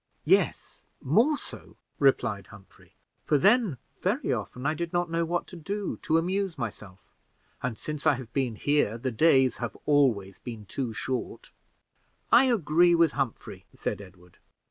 "Yes, more so," replied Humphrey; "for then very often I did not know what to do to amuse myself, and since I have been here the days have always been too short." "I agree with Humphrey," said Edward.